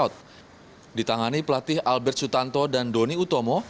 dan di tryout ditangani pelatih albert sutanto dan donny utomo